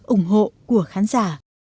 ủng hộ của khán giả